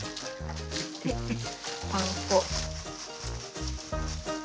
パン粉。